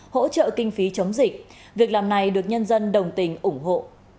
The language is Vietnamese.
hỗ trợ kinh phí chống dịch việc làm này được nhân dân đồng tình ủng hộ